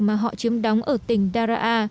mà họ chiếm đóng ở tỉnh daraa